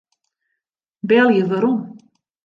Belje werom.